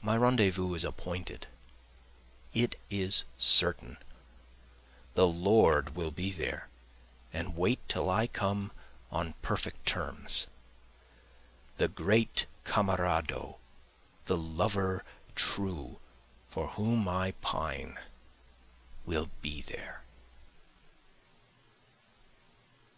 My rendezvous is appointed, it is certain, The Lord will be there and wait till I come on perfect terms, The great Camerado, the lover true for whom I pine will be there.